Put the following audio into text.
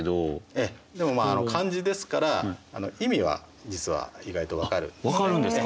ええでもまあ漢字ですから意味は実は意外と分かるんです。